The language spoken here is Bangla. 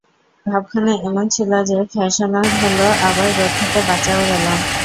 ভাবখানা এমন ছিল যে, ফ্যাশনও হলো আবার রোদ থেকেও বাঁচা গেল।